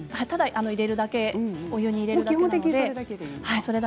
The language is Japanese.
ただ入れるだけお湯に入れるだけです。